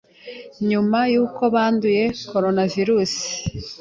nyuma y’uko banduye Coronavirus,